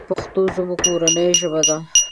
پښتو زمونږ مورنۍ ژبه ده.